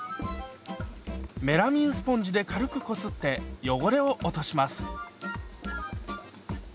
メラミンスポンジで軽くこすって汚れを落とします。